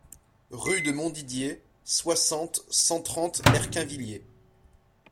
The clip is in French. Rue de Montdidier, soixante, cent trente Erquinvillers